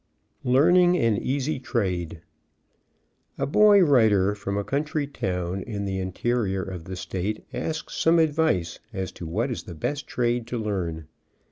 LEARNING AN EASY TRADE. A boy writer from a country town in the interior of the state asks some advice as to what is the best trade to learn.